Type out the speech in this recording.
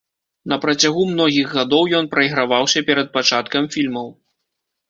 На працягу многіх гадоў ён прайграваўся перад пачаткам фільмаў.